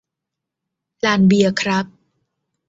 ลานเบียร์ครับ